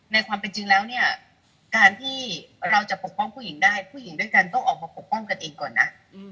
ในความเป็นจริงแล้วเนี่ยการที่เราจะปกป้องผู้หญิงได้ผู้หญิงด้วยกันต้องออกมาปกป้องกันเองก่อนนะ